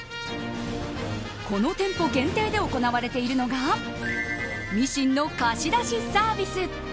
この店舗限定で行われているのがミシンの貸し出しサービス。